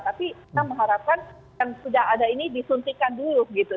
tapi kita mengharapkan yang sudah ada ini disuntikan dulu gitu